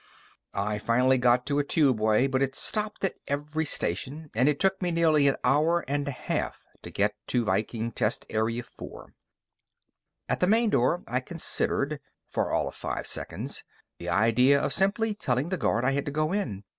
I finally got to a tubeway, but it stopped at every station, and it took me nearly an hour and a half to get to Viking Test Area Four. At the main door, I considered for all of five seconds the idea of simply telling the guard I had to go in.